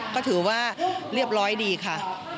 ก็ถือว่าเรียบร้อยดีค่ะ